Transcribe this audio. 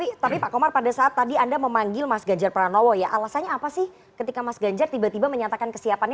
tapi pak komar pada saat tadi anda memanggil mas ganjar pranowo ya alasannya apa sih ketika mas ganjar tiba tiba menyatakan kesiapannya